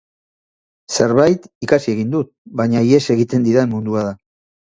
Zerbait ikasi egin dut, baina ihes egiten didan mundua da.